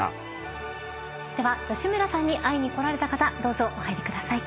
では吉村さんに会いに来られた方どうぞお入りください。